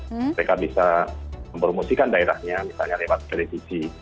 mereka bisa mempromosikan daerahnya misalnya lewat televisi